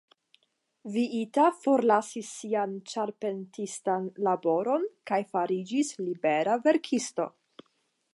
Viita forlasis sian ĉarpentistan laboron kaj fariĝis libera verkisto.